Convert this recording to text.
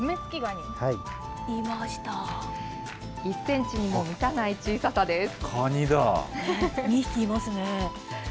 １センチにも満たない小ささです。